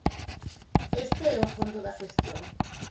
Este é o fondo da cuestión.